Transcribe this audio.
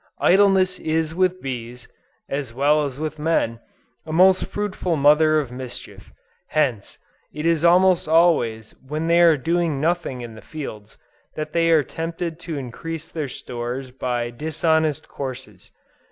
Idleness is with bees, as well as with men, a most fruitful mother of mischief. Hence, it is almost always when they are doing nothing in the fields, that they are tempted to increase their stores by dishonest courses.